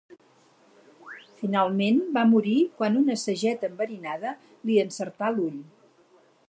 Finalment va morir quan una sageta enverinada li encertà l'ull.